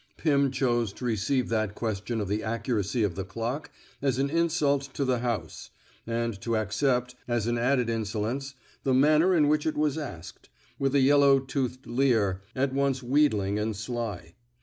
'' Pim chose to receive that question of the accuracy of the clock as an insult to the house, and to accept, as an added insolence, the manner in which it was asked — with a yellow toothed leer at once wheedling and sly.